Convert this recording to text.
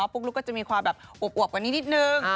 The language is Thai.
ปุ๊กลุ๊กก็จะมีความแบบอวบกว่านี้นิดนึง